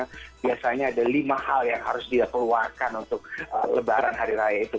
karena biasanya ada lima hal yang harus dia keluarkan untuk lebaran hari raya itu